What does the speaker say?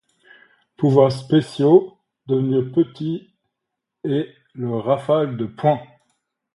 Pouvoir Spéciaux: Devenir petit et le rafale de poings.